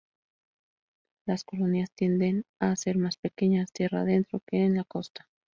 Las colonias tienden a ser más pequeñas tierra adentro que en la costa.